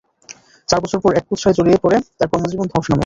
চার বছর পর এক কুৎসায় জড়িয়ে পরে তার কর্মজীবনে ধস নামে।